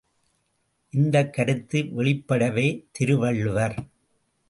இந்தக் கருத்து வெளிப்படவே திருவள்ளுவர்.